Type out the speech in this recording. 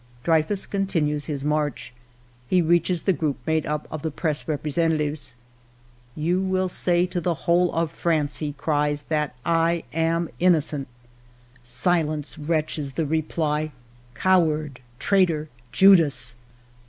" Dreyfus continues his march. He reaches the group made up of the press representatives. "' You will say to the whole of France/ he cries, ' that I am innocent !' '"Silence, wretch,' is the reply. 'Coward! Traitor! Judas